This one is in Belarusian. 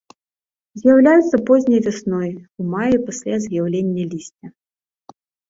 З'яўляюцца позняй вясной, у маі, пасля з'яўлення лісця.